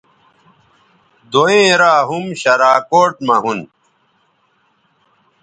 دوئیں را ھُم شراکوٹ مہ ھُون